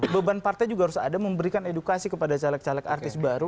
beban partai juga harus ada memberikan edukasi kepada caleg caleg artis baru